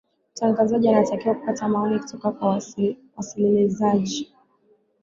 mtangazaji anatakiwa kupata maoni kutoka kwa wasililizaji